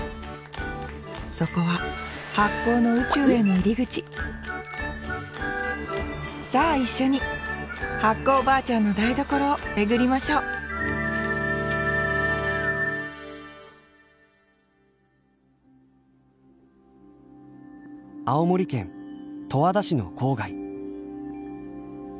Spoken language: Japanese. そこは発酵の宇宙への入り口さあ一緒に発酵おばあちゃんの台所を巡りましょう青森県十和田市の郊外。